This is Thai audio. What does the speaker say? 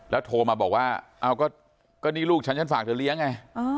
แล้วโทรมาบอกว่านี่ลูกฉันฉันฝากเธอเลี้ยงไง